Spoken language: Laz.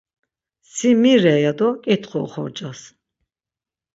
Si mi re ya do ǩitxu oxorcas.